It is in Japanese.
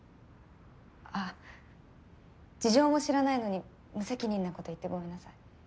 あっ事情も知らないのに無責任な事を言ってごめんなさい。